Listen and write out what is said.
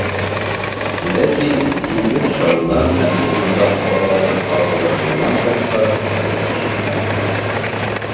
Ләкин диңгеҙ шауынан һәм урманда ҡарғаларҙың ҡарҡылдашыуынан башҡа тауыш ишетмәнек.